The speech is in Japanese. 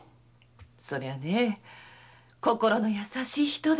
そりゃ心の優しい人で。